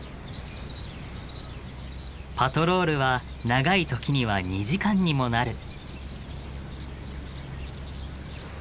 パトロールは長い時には２時間にもなる。